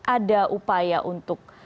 ada upaya untuk